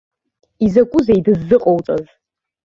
Изакәызеи дыззыҟоуҵаз?